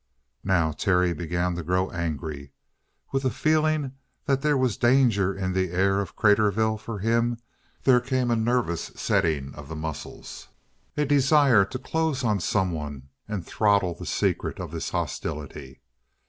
Now, Terry began to grow angry. With the feeling that there was danger in the air of Craterville for him there came a nervous setting of the muscles, a desire to close on someone and throttle the secret of this hostility.